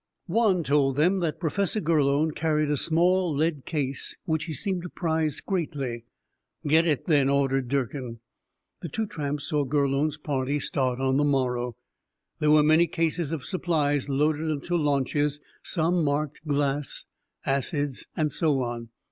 Juan told them that Professor Gurlone carried a small lead case which he seemed to prize greatly. "Get it, then," ordered Durkin. The two tramps saw Gurlone's party start on the morrow. There were many cases of supplies loaded into launches, some marked Glass, Acids, and so on.